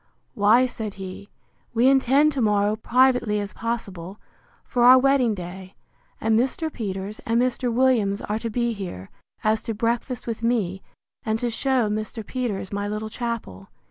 Why, said he, we intend to morrow, privately as possible, for our wedding day; and Mr. Peters and Mr. Williams are to be here, as to breakfast with me, and to shew Mr. Peters my little chapel.